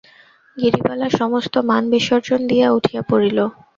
গিরিবালা সমস্ত মান বিসর্জন দিয়া উঠিয়া পড়িল।